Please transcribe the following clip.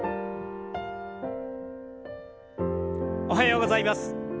おはようございます。